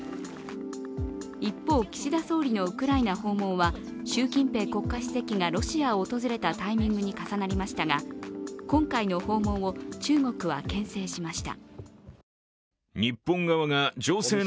一方、岸田総理のウクライナ訪問は習近平国家主席がロシアを訪れたタイミングに重なりましたが今回の訪問を中国はけん制しました。